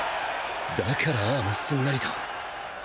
だからああもすんなりと